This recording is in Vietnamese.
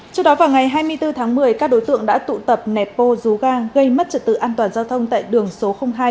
trước đó vào ngày hai mươi bốn tháng một mươi các đối tượng đã tụ tập nẹp bô rú ga gây mất trật tự an toàn giao thông tại đường số hai